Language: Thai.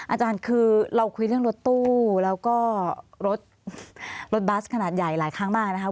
อาจารย์คือเราคุยเรื่องรถตู้แล้วก็รถบัสขนาดใหญ่หลายครั้งมากนะครับ